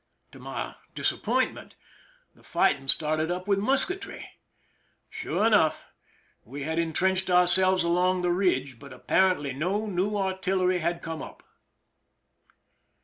To my disappointment, the fighting started up with musketry. Sure enough, we had intrenched ourselves along the ridge; but appa rently no new artillery had come up.